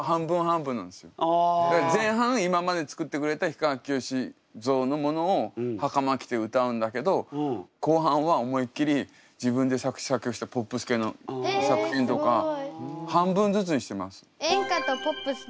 前半今までつくってくれた氷川きよし像のものをはかま着て歌うんだけど後半は思いっきり自分で作詞作曲したポップス系の作品とか半分ずつにしてます。